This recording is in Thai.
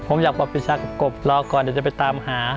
ผมอยากบอกปีชากับกบรอก่อนเดี๋ยวจะไปตามหา